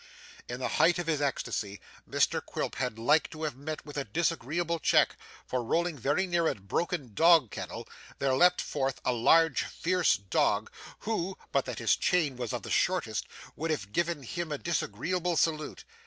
In the height of his ecstasy, Mr Quilp had like to have met with a disagreeable check, for rolling very near a broken dog kennel, there leapt forth a large fierce dog, who, but that his chain was of the shortest, would have given him a disagreeable salute.